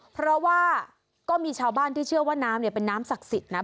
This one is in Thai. เพราะว่าก็มีชาวบ้านที่เชื่อว่าน้ำเนี่ยเป็นน้ำศักดิ์สิทธิ์นะ